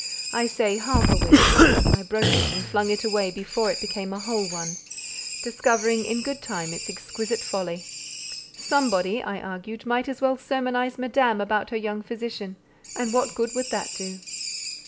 I say half a wish; I broke it, and flung it away before it became a whole one, discovering in good time its exquisite folly. "Somebody," I argued, "might as well sermonize Madame about her young physician: and what good would that do?"